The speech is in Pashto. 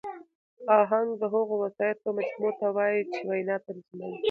آهنګ د هغو وسایطو مجموعې ته وایي، چي وینا تنظیموي.